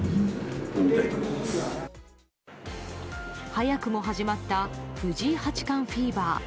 早くも始まった藤井八冠フィーバー。